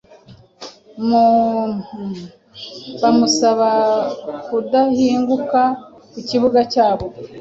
bamusaba kudahinguka ku kibuga cyabo